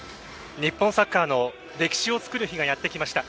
日本サッカーの歴史を作る日がやってきました。